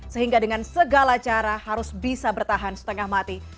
sehingga dengan segala cara harus bisa bertahan setengah mati